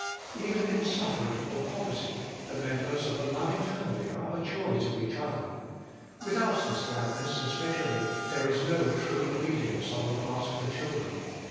Even in suffering or poverty, the members of a loving family are a joy HOLINESS AND HAPPINESS. 185 to each other. Without this gladness, especially, there is no true obedience on the part of the children.